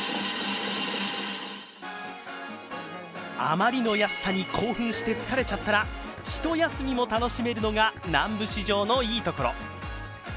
あまりの安さに興奮して疲れちゃったら、一休みも楽しめるのが南部市場のいいところ。